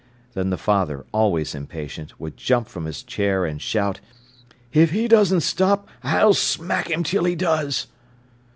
Then the father, always impatient, would jump from his chair and shout: "If he doesn't stop, I'll smack him till he does."